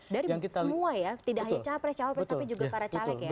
dari semua ya tidak hanya capres cawapres tapi juga para caleg ya